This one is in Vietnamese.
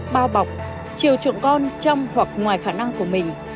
bao bọc chiều chuộng con trong hoặc ngoài khả năng của mình